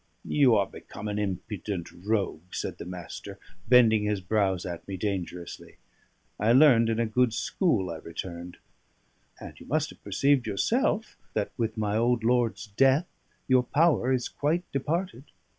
"You are become an impudent rogue," said the Master, bending his brows at me dangerously. "I learned in a good school," I returned. "And you must have perceived yourself that with my old lord's death your power is quite departed.